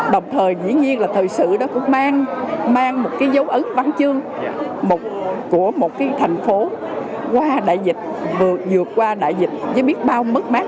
đồng thời dĩ nhiên là thời sự đó cũng mang một cái dấu ấn văn chương của một cái thành phố qua đại dịch vừa dược qua đại dịch với biết bao mất mát